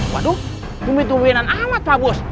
waduh kumit kumitnya amat bagus